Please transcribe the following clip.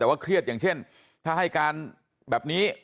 แต่ว่าเครียดอย่างเช่นถ้าให้การแบบนี้